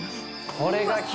これが極。